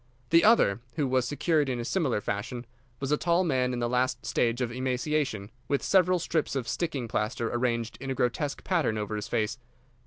The other, who was secured in a similar fashion, was a tall man in the last stage of emaciation, with several strips of sticking plaster arranged in a grotesque pattern over his face.